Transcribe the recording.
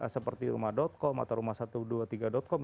seperti rumah com atau rumah satu ratus dua puluh tiga com